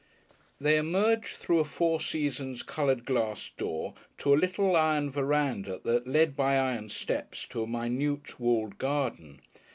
They emerged through a four seasons coloured glass door to a little iron verandah that led by iron steps to a minute walled garden.